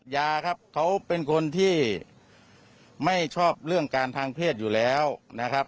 ยาครับเขาเป็นคนที่ไม่ชอบเรื่องการทางเพศอยู่แล้วนะครับ